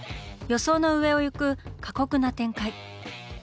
予想の上を行く過酷な展開。